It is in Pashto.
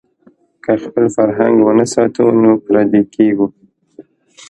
که خپل فرهنګ ونه ساتو نو پردي کېږو.